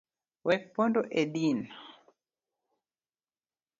Wek pondo e din.